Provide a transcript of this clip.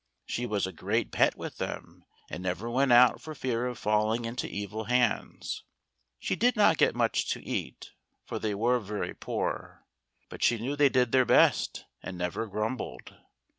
She was a great pet with them, and never went out for fear of falling into evil hands. She did not get much to eat, for they were very poor ; but she knew they did their best, and never grumbled.